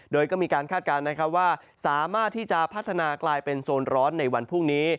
โดยก็มีการคาดการณ์นะครับว่าสามารถที่จะพัฒนากลายเป็นโซนร้อนในวันพรุ่งนี้